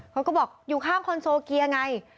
เขาก็บอกอยู่ข้างคอนโซเกียร์ไง